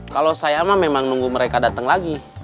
kalau saya mah memang nunggu mereka datang lagi